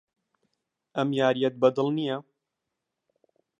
ئەم یارییەت بەدڵ نییە.